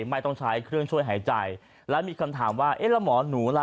ไม่ต้องใช้เครื่องช่วยหายใจแล้วมีคำถามว่าเอ๊ะแล้วหมอหนูล่ะ